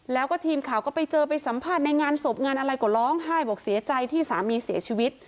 แล้วก็ทีมข่าวก็ไปเจอไปสัมภาษณ์ในงานศพงานอะไรก็ร้องไห้บอกเสียใจที่สามีเสียชีวิต